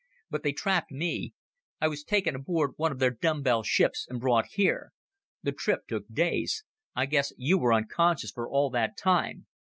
But they trapped me. I was taken aboard one of their dumbbell ships, and brought here. The trip took days. I guess you were unconscious for all that time.